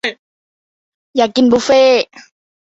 อยากกินบุฟเฟ่